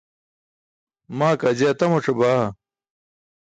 Maa kaa je atamac̣abaa.